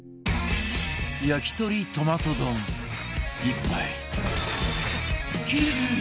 焼き鳥トマト丼１杯